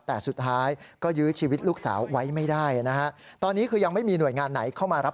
แต่สุดท้ายก็ยื้อชีวิตลูกสาวไว้ไม่ได้นะครับ